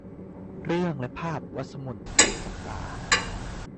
เรื่องและภาพ : วรรษมน ไตรยศักดา